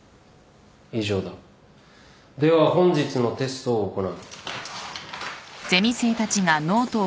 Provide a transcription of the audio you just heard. では本日のテストを行う。